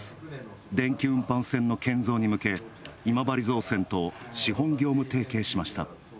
電気運搬船の建造に向け今治造船と資本業務提携しました。